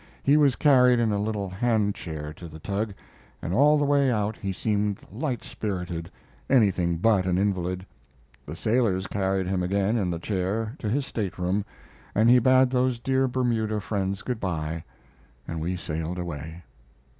He was carried in a little hand chair to the tug, and all the way out he seemed light spirited, anything but an invalid: The sailors carried him again in the chair to his state room, and he bade those dear Bermuda friends good by, and we sailed away.